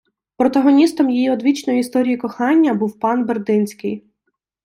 Протагоністом її одвічної історії кохання був пан Бердинський